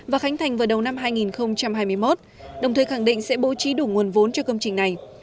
và khánh thành vào đầu năm hai nghìn hai mươi một đồng thời khẳng định sẽ bố trí đủ nguồn vốn cho công trình này